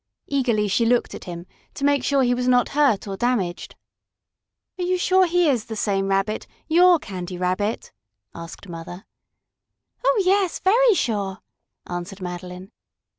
Eagerly she looked at him, to make sure he was not hurt or damaged. "Are you sure he is the same Rabbit your Candy Rabbit?" asked Mother. "Oh, yes, very sure," answered Madeline.